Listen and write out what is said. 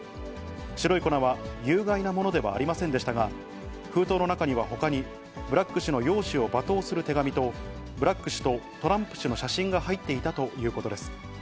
白い粉は有害なものではありませんでしたが、封筒の中にはほかに、ブラッグ氏の容姿を罵倒する手紙と、ブラッグ氏とトランプ氏の写真が入っていたということです。